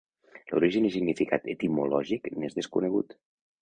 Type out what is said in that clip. L'origen i significat etimològic n'és desconegut.